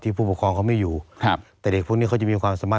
ที่ครูค้ำเงินกู้กรยาศรให้พวกเธอได้เรียนมหาวิทยาลัย